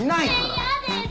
嫌です！